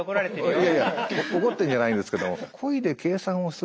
いやいや怒ってんじゃないですけども。